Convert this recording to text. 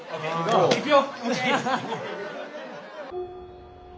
行くよ。